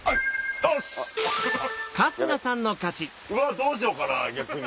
どうしようかな逆に。